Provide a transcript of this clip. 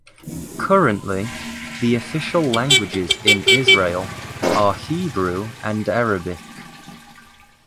Currently, the official languages in Israel are Hebrew and Arabic.